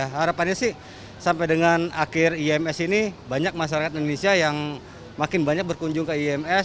harapannya sih sampai dengan akhir ims ini banyak masyarakat indonesia yang makin banyak berkunjung ke ims